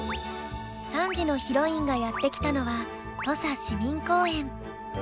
３時のヒロインがやって来たのは土佐市民公園。